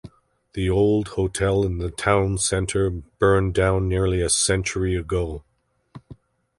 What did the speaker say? The old hotel in the town center burned down nearly a century ago.